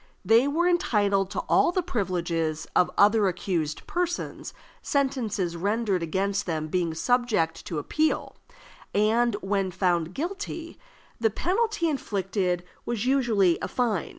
They were entitled to all the privileges of other accused persons, sentences rendered against them being subject to appeal; and, when found guilty, the penalty inflicted was usually a fine.